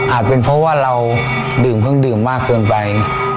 อาจเป็นเพราะเราดื่มเผื่องดื่มมากเกินไป